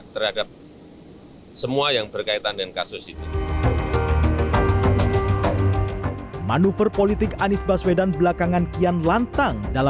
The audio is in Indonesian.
terhadap semua yang berkaitan dengan kasus itu